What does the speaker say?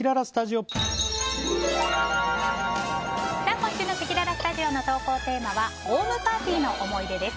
今週のせきららスタジオの投稿テーマはホームパーティーの思い出です。